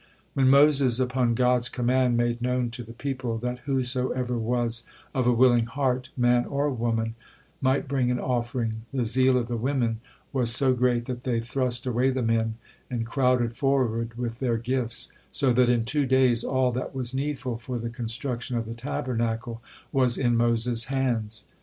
When Moses upon God's command made known to the people that whosoever was of a willing heart, man or woman, might bring an offering, the zeal of the women was so great, that they thrust away the men and crowded forward with their gifts, so that in two days all that was needful for the construction of the Tabernacle was in Moses' hands.